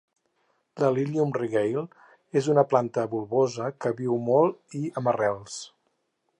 La "lilium regale" és una planta bulbosa, que viu molt i amb arrels.